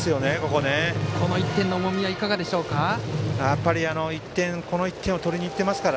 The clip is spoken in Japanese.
この１点の重みはいかがでしょうか。